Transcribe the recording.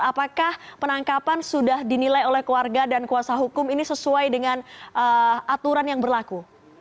apakah penangkapan sudah dinilai oleh keluarga dan kuasa hukum ini sesuai dengan aturan yang berlaku